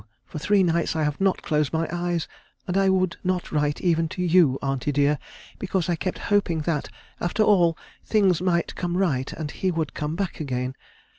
For three nights I have not closed my eyes, and I would not write even to you, auntie dear, because I kept hoping that, after all, things might come right, and he would come back again.